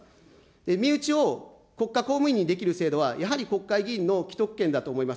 身内を国家公務員にできる制度はやはり国会議員の既得権だと思います。